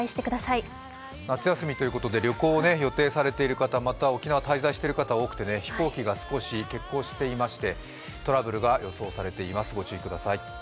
夏休みということで旅行を予定されている方、また、沖縄滞在している方多くてね飛行機が少し欠航していましてトラブルが予想されています、ご注意ください。